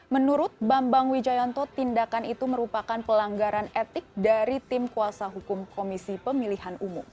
menurut bambang wijayanto tindakan itu merupakan pelanggaran etik dari tim kuasa hukum komisi pemilihan umum